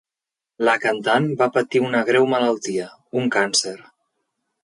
La cantant va patir una greu malaltia, un càncer.